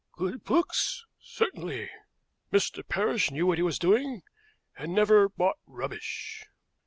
Good books! Certainly. Mr. Parrish knew what he was doing, and never bought rubbish.